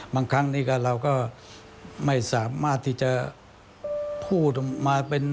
ครั้งนี้เราก็ไม่สามารถที่จะพูดมาเป็น